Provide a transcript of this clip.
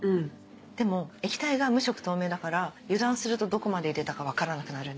でも液体が無色透明だから油断するとどこまで入れたか分からなくなるんだよね。